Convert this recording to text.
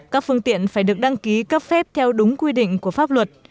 các phương tiện phải được đăng ký cấp phép theo đúng quy định của pháp luật